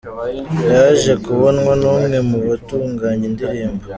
Yaje kubonwa n’umwe mu batunganya indirimbo